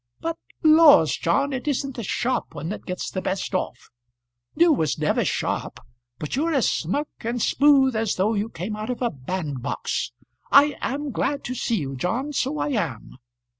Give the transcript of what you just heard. But laws, John, it isn't the sharp ones that gets the best off. You was never sharp, but you're as smirk and smooth as though you came out of a band box. I am glad to see you, John, so I am."